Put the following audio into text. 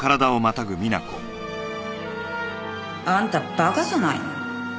あんたバカじゃないの？